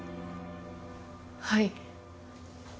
はい。